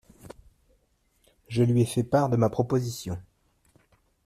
Je lui ai fait part de ma proposition.